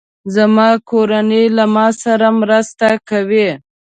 زما کورنۍ له ما سره مرسته کوي.